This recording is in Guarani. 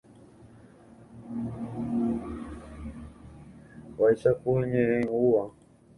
Vaicháku iñe'ẽngúva.